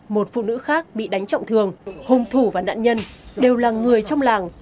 một phụ nữ khác bị đánh trọng thương hùng thủ và nạn nhân đều là người trong làng